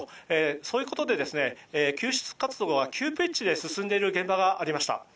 そういうことで救出活動が急ピッチで進んでいる現場がありました。